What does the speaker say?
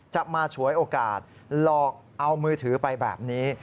จะมาฉวยโอกาสหลอกเอามือถือไปแบบนี้